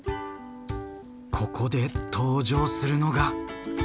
ここで登場するのが！